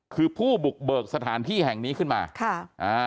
คือผู้บุกเบิกสถานที่แห่งนี้ขึ้นมาค่ะอ่า